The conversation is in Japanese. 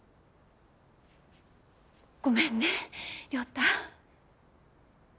ごめんね涼太。